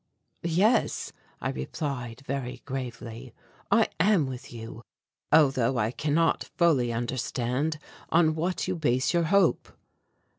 "Yes," I replied very gravely, "I am with you although I cannot fully understand on what you base your hope."